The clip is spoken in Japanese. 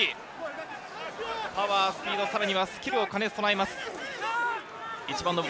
パワー、スピード、スキルを兼ね備えています。